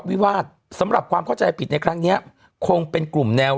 วิวาสสำหรับความเข้าใจผิดในครั้งนี้คงเป็นกลุ่มแนว